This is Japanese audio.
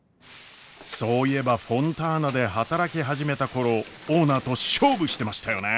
そういえばフォンターナで働き始めた頃オーナーと勝負してましたよね。